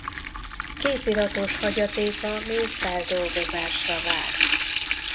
Kéziratos hagyatéka még feldolgozásra vár.